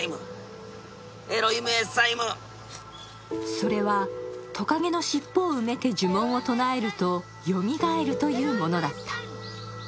それは、トカゲの尻尾を埋めて呪文を唱えるとよみがえるというものだった。